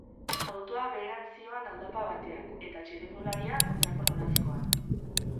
Autoa beherantz zihoan aldapa batean eta, txirrindularia, kontrako noranzkoan.